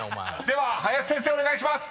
［では林先生お願いします］